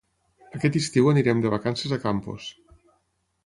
Aquest estiu anirem de vacances a Campos.